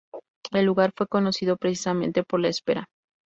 El lugar fue conocido precisamente por La Espera.